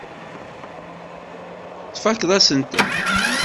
Tfakkeḍ-asent-ten.